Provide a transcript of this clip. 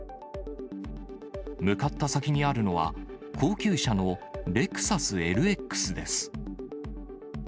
向かった先にあるのは、高級車のレクサスＬＸです。